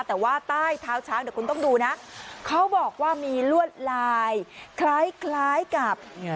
แต่ว่าใต้เท้าช้างเดี๋ยวคุณต้องดูนะเขาบอกว่ามีลวดลายคล้ายกับ